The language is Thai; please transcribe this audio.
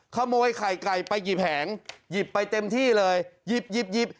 ขโมยไข่ไก่ไปกี่แผงหยิบไปเต็มที่เลยหยิบหยิบ